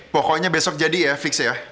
pokoknya besok jadi ya fix ya